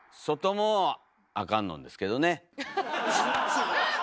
外もあかんのんですけどね。